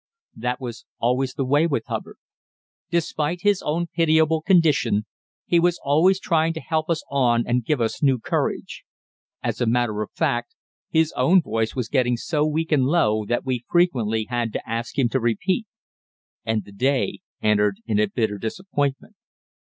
That was always the way with Hubbard. Despite his own pitiable condition, he was always trying to help us on and give us new courage. As a matter of fact, his own voice was getting so weak and low that we frequently had to ask him to repeat. And the day ended in a bitter disappointment.